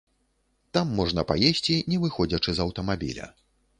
Там можна паесці не выходзячы з аўтамабіля.